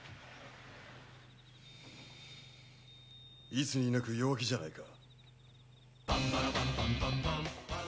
いつになく弱気じゃないか。